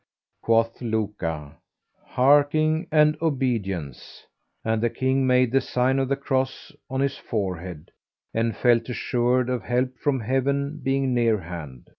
Quoth Luka, "Hearkening and obedience;" and the King made the sign of the cross on his forehead and felt assured of help from Heaven being near hand.